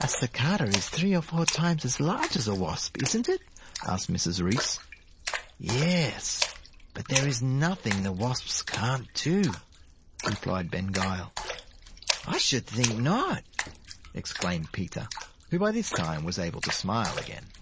"A cicada is three or four times as large as a wasp, isn't it?" asked Mrs. Reece. "Yes; but there is nothing the wasps can't do," replied Ben Gile. "I should think not!" exclaimed Peter, who by this time was able to smile again.